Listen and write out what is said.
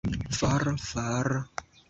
For, for!